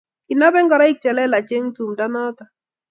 Ki nobei ngoroik che lelach eng' tumdo noto